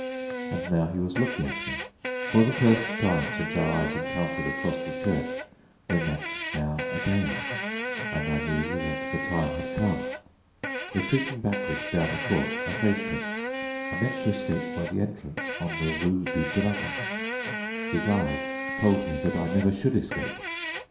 And now he was looking at me. For the first time since our eyes encountered across the church they met now again, and I knew that the time had come. Retreating backward, down the court, I faced him. I meant to escape by the entrance on the Rue du Dragon. His eyes told me that I never should escape.